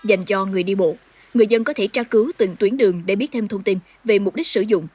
dành cho người đi bộ người dân có thể tra cứu từng tuyến đường để biết thêm thông tin về mục đích sử dụng